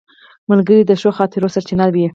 ملګری د ښو خاطرو سرچینه وي